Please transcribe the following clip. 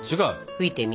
吹いてみ。